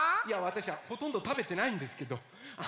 いやわたしほとんどたべてないんですけど。